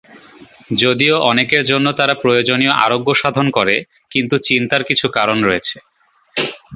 যদিও অনেকের জন্য তারা প্রয়োজনীয় আরোগ্যসাধন করে কিন্তু চিন্তার কিছু কারণ রয়েছে।